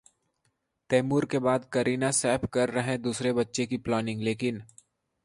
तैमूर के बाद करीना-सैफ कर रहे दूसरे बच्चे की प्लानिंग, लेकिन...